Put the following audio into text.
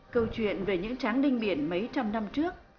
câu chuyện về những tráng đinh biển mấy trăm năm trước